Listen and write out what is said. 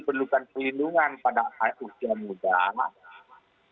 sehingga beberapa vaksin itu harus diberikan ke anak anak yang muda